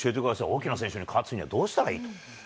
大きな選手に勝つにはどうしたらいいか。